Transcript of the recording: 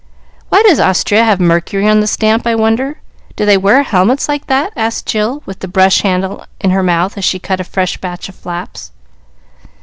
"Why does Austria have Mercury on the stamp, I wonder? Do they wear helmets like that?" asked Jill, with the brush handle in her mouth as she cut a fresh batch of flaps.